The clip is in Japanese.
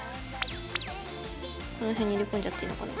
この辺に入れ込んじゃっていいのかな？